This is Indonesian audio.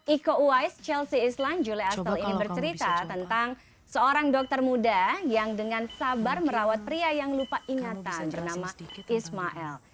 iko uwais chelsea islan julie astal ini bercerita tentang seorang dokter muda yang dengan sabar merawat pria yang lupa ingatan bernama ismail